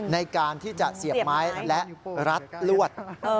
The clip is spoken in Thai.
ในการที่จะเสียบไม้และรัดลวด